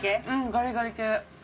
ガリガリ系。